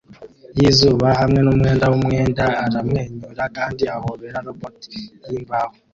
yizuba hamwe numwenda wumwenda aramwenyura kandi ahobera robot yimbaho